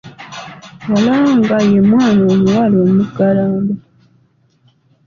Walaanga ye mwana omuwala omuggalanda.